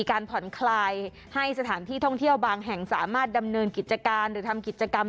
การผ่อนคลายให้สถานที่ท่องเที่ยวบางแห่งสามารถดำเนินกิจการหรือทำกิจกรรม